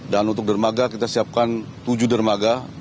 untuk dermaga kita siapkan tujuh dermaga